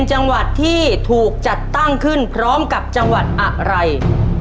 จังหวัดที่ถูกจัดตั้งขึ้นพร้อมกับจังหวัดอะไร